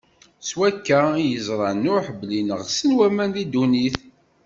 S wakka i yeẓra Nuḥ belli neɣsen waman di ddunit.